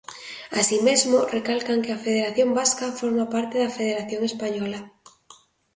Así mesmo, recalcan que a Federación Vasca forma parte da Federación española.